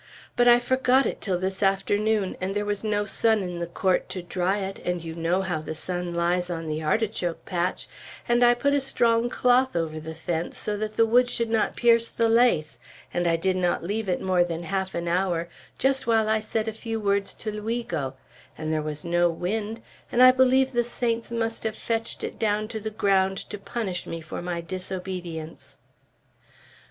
But I forgot it till this afternoon, and there was no sun in the court to dry it, and you know how the sun lies on the artichoke patch, and I put a strong cloth over the fence, so that the wood should not pierce the lace, and I did not leave it more than half an hour, just while I said a few words to Luigo, and there was no wind; and I believe the saints must have fetched it down to the ground to punish me for my disobedience."